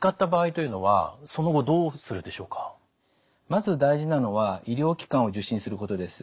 まず大事なのは医療機関を受診することです。